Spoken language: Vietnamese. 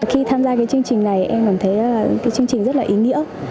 khi tham gia cái chương trình này em cảm thấy cái chương trình rất là ý nghĩa